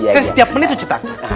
saya setiap menit ucitkan